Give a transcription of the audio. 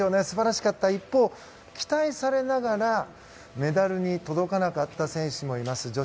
素晴らしかった一方期待されながらメダルに届かなかった選手もいます。